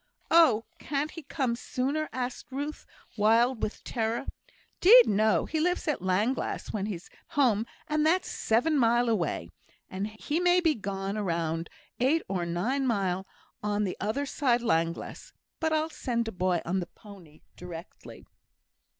"Oh, can't he come sooner?" asked Ruth, wild with terror. "'Deed no; he lives at Llanglâs when he's at home, and that's seven mile away, and he may be gone a round eight or nine mile on the other side Llanglâs; but I'll send a boy on the pony directly."